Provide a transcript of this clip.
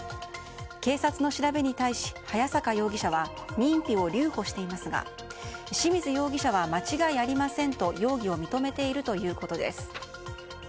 警察の調べに対し、早坂容疑者は認否を留保していますが清水容疑者は間違いありませんと容疑を認めているということです。